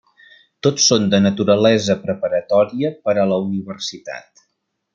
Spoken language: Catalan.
Tots són de naturalesa preparatòria per a la Universitat.